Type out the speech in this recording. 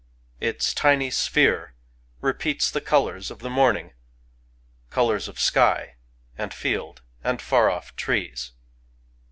Its tiny sphere repeats the colours of the morning, — colours of sky and field and far off trees.